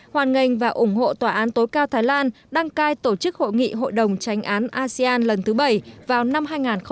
hoan nghênh và ủng hộ tòa án tối cao thái lan đăng cai tổ chức hội nghị hội đồng tranh án asean lần thứ bảy vào năm hai nghìn một mươi chín